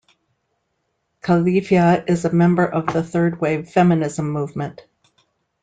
Califia is a member of the third-wave feminism movement.